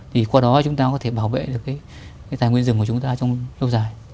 thì qua đó chúng ta có thể bảo vệ được cái tài nguyên rừng của chúng ta trong lâu dài